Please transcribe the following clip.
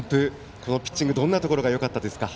このピッチングどんなところがよかったですか？